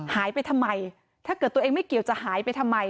หายไปทำไมถ้าเกิดตัวเองไม่เกี่ยวจะหายไปทำไม